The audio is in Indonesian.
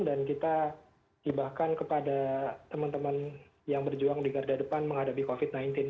dan kita dibahkan kepada teman teman yang berjuang di garda depan menghadapi covid sembilan belas